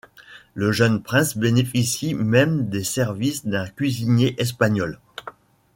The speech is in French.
Le jeune prince bénéficie même des services d'un cuisinier espagnol.